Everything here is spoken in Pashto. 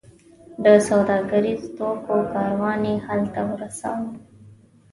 د سوداګریزو توکو کاروان یې هلته ورساوو.